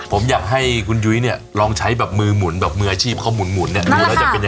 ผมอยากให้คุณยุ้ยเนี่ยลองใช้แบบฯมือโอบรูปมืออาชีพเค้าหมุนเนี่ย